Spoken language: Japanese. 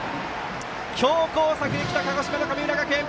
強攻策できた鹿児島の神村学園。